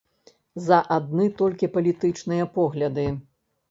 За адны толькі палітычныя погляды.